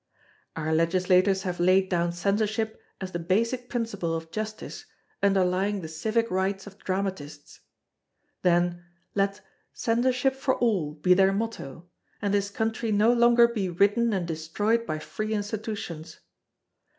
Our Legislators have laid down Censorship as the basic principle of Justice underlying the civic rights of dramatists. Then, let "Censorship for all" be their motto, and this country no longer be ridden and destroyed by free Institutions!